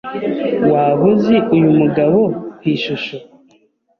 Waba uzi uyu mugabo ku ishusho?